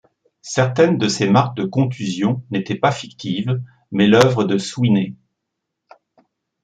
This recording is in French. Certaines de ses marques de contusion n'étaient pas fictives mais l'œuvre de Sweeney.